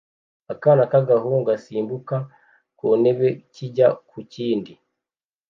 Akana k'agahungu gasimbuka kuntebe kijya ku kindi